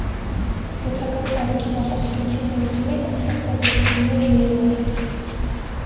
Դպրոցական տարիքի նախասիրություններից մեկն ստեղծագործություններ գրելն է եղել։